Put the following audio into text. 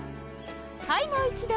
はいもう一度。